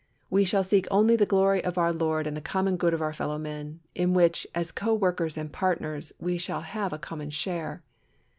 We shall seek only the glory of our Lord and the common good of our fellow men, in which, as co workers and partners, we shall have a common share.